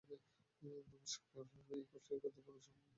নমস্কার, তোমার এই কষ্টের ক্ষতিপূরণস্বরূপ তোমাকে তিনটি বর দিব।